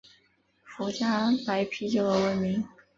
福佳白啤酒而闻名。